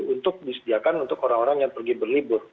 untuk disediakan untuk orang orang yang pergi berlibur